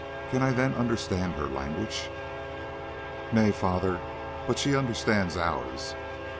Can I then understand her language?" "Nay, father, but she understands ours.